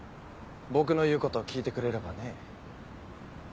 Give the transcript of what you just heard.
僕の言うことを聞いてくれればね。